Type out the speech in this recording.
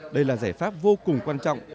đây là giải pháp vô cùng quan trọng